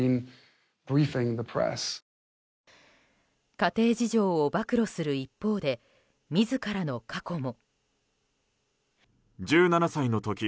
家庭事情を暴露する一方で自らの過去も。